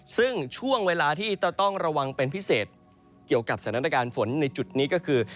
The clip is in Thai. ซึ่งช่วงเวลาที่จะต้องระวังเป็นพิเศษเกี่ยวกับสถานการณ์ฝนในจุดนี้ก็คือ